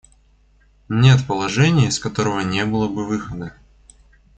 Нет положения, из которого не было бы выхода.